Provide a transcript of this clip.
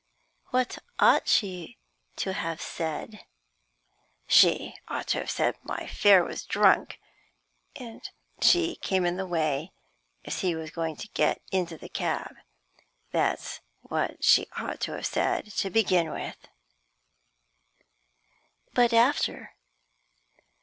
"What ought she to have said?" "She ought to have said my fare was drunk, and she came in the way as he was going to get into the cab. That's what she ought to have said to begin with." "But after?"